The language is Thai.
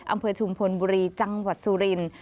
อำเภอชุมพลบุรีจังหวัดสุรินทร์